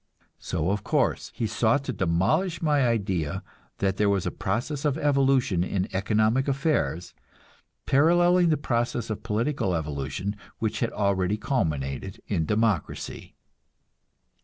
So, of course, he sought to demolish my idea that there was a process of evolution in economic affairs, paralleling the process of political evolution which had already culminated in democracy.